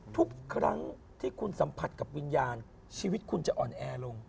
ทุกครั้งที่คุณสัมผัสกับวิญญาณชีวิตคุณจะอ่อนแอลง